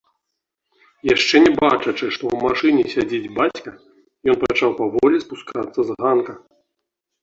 Яшчэ не бачачы, што ў машыне сядзіць бацька, ён пачаў паволі спускацца з ганка.